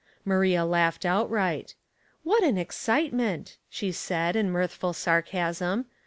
Maria laughed outright. *' What an excitement," she said, in mirth ful sarcasm.